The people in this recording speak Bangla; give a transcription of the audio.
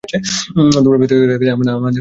তোমার ব্যস্ত থাকাতে আমার কিছু যায় আসে না।